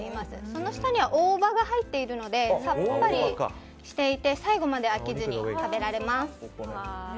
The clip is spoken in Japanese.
その下には大葉が入っているのでさっぱりしていて最後まで飽きずに食べられます。